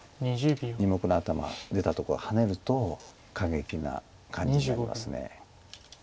２目の頭出たとこをハネると過激な感じになります。